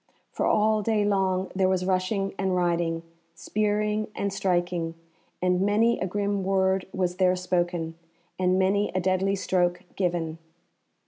For all day long there was rushing and riding, spearing and striking, and many a grim word was there spoken, and many a deadly stroke given.